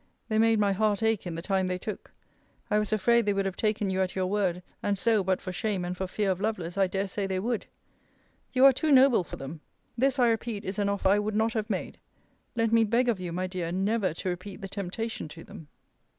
They made my heart ache in the time they took. I was afraid they would have taken you at your word: and so, but for shame, and for fear of Lovelace, I dare say they would. You are too noble for them. This, I repeat, is an offer I would not have made. Let me beg of you, my dear, never to repeat the temptation to them.